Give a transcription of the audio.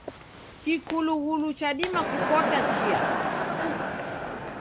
Kikulughulu chadima kukota chia.